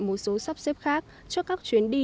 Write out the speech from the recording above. một số sắp xếp khác cho các chuyến đi